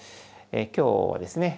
今日はですね